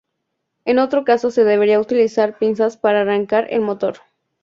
En otro caso se deberán utilizar pinzas para arrancar el motor.